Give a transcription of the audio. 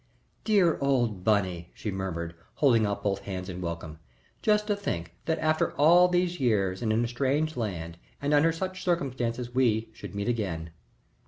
"Dear old Bunny!" she murmured, holding out both hands in welcome. "Just to think that after all these years and in a strange land and under such circumstances we should meet again!"